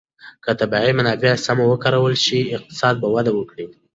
که طبیعي منابع سمې وکارول شي، اقتصاد به وده وکړي.